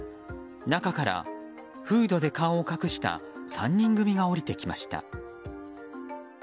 中からフードで顔を隠した３人組が降りてきました。